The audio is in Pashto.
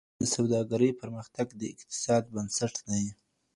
د سوداګرۍ پرمختګ د اقتصاد بنسټ دی.